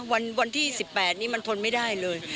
วันที่๑๘นี้มันทนไม่ได้เลย